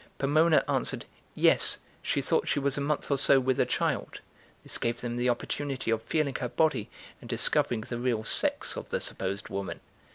Pomona answered, yes, she thought she was a month or so with a child; this gave them the opportunity of feeling her body and discovering the real sex of the supposed woman.